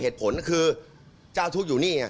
เหตุผลก็คือเจ้าทุกอยู่นี่